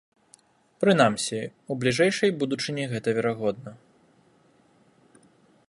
Прынамсі, у бліжэйшай будучыні гэта верагодна.